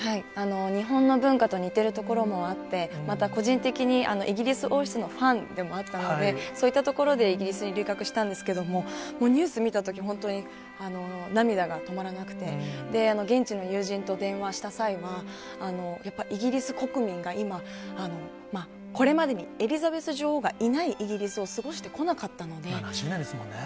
日本の文化と似ているところもあって、また個人的に、イギリス王室のファンでもあったので、そういったところでイギリスに留学したんですけれども、もうニュース見たとき、本当に涙が止まらなくて、現地の友人と電話した際は、やっぱりイギリス国民が今、これまでにエリザベス女王がいないイギリスを過ごしてこなかった７０年ですもんね。